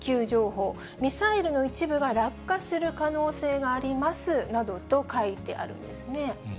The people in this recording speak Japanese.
ミサイルの一部が落下する可能性がありますなどと書いてあるんですね。